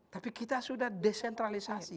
tapi kita sudah desentralisasi